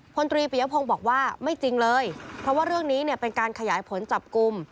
พลตรีปิยพงศ์บอกว่าไม่จริงเลยเพราะว่าเรื่องนี้เนี่ยเป็นการขยายผลจับกลุ่ม